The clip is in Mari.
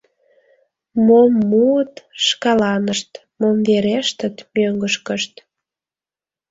Мом муыт — шкаланышт, мом верештыт — мӧҥгышкышт.